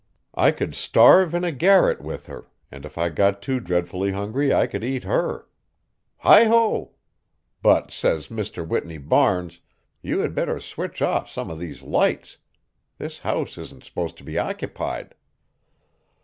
I could starve in a garret with her, and if I got too dreadfully hungry I could eat her. Hi, ho! but, say, Mr. Whitney Barnes, you had better switch off some of these lights. This house isn't supposed to be occupied."